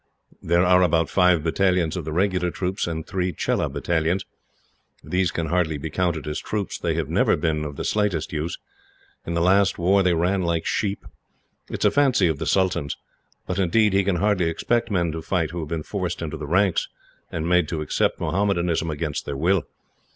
"There are about five battalions of the regular troops, and three Chelah battalions. These can hardly be counted as troops. They have never been of the slightest use. In the last war they ran like sheep. It is a fancy of the sultan's. But, indeed, he can hardly expect men to fight who have been forced into the ranks, and made to accept Mohammedanism against their will.